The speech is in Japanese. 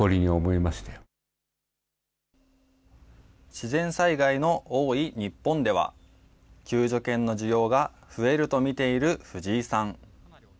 自然災害の多い日本では、救助犬の需要が増えると見ている藤井さん。